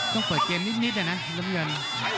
ต้องเปิดเกมนิดนะน้ำเงิน